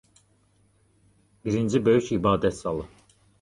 Birinci böyük ibadət zalı.